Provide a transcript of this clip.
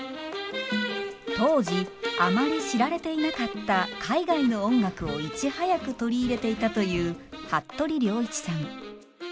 当時あまり知られていなかった海外の音楽をいち早く取り入れていたという服部良一さん。